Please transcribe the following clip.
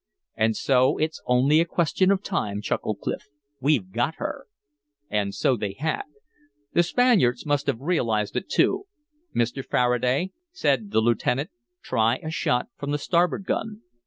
"And so it's only a question of time," chuckled Clif. "We've got her!" And so they had. The Spaniards must have realized it, too. "Mr. Faraday," said the lieutenant, "try a shot from the starboard gun."